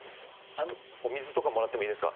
お水とかもらってもいいですか？